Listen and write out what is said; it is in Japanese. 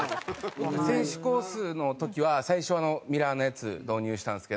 選手コースの時は最初ミラーのやつ導入したんですけど。